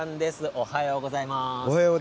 おはようございます。